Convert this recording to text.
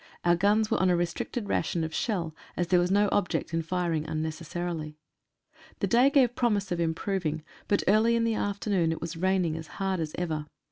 Our guns were on a restricted ration of shell, as there was no object in firing unnecessarily. The day gave promise of improv ing, but early in the afternoon it was raining as hard as ever.